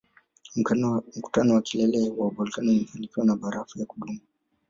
Mkutano wa kilee wa volkano umefunikwa na barafu ya kudumu